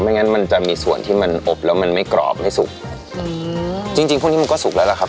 งั้นมันจะมีส่วนที่มันอบแล้วมันไม่กรอบไม่สุกจริงจริงพวกนี้มันก็สุกแล้วล่ะครับ